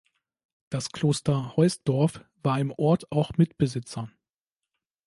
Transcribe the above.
Das Kloster Heusdorf war im Ort auch Mitbesitzer.